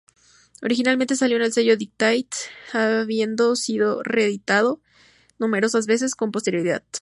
Originalmente salió en el sello Dedicated, habiendo sido reeditado numerosas veces con posterioridad.